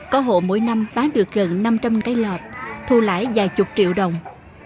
có hộ mỗi năm bán được gần năm trăm linh cái lọt thu lãi vài chục triệu đồng